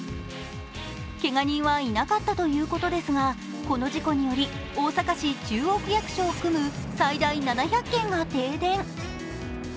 けが人はいなかったということですが、この事故により大阪市中央区役所を含む最大７００軒が停電。